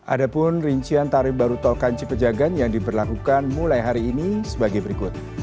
ada pun rincian tarif baru tol kanci pejagan yang diberlakukan mulai hari ini sebagai berikut